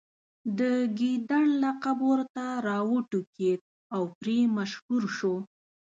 د ګیدړ لقب ورته راوټوکېد او پرې مشهور شو.